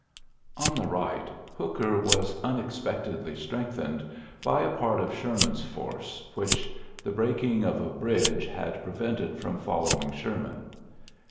On the right, Hooker was unex pectedly strengthened by a part of Sher man' s force which the breaMng of a bridge had prevented from following Sherman.